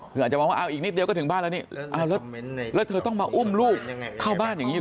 คืออาจจะมองว่าเอาอีกนิดเดียวก็ถึงบ้านแล้วนี่แล้วเธอต้องมาอุ้มลูกเข้าบ้านอย่างนี้เห